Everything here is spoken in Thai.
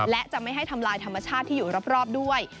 และจะไม่ให้ทำลายธรรมชาติที่อยู่รอบด้วย